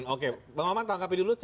oke bang maman tangkapi dulu